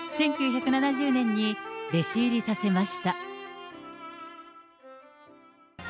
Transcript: １９７０年に弟子入りさせました。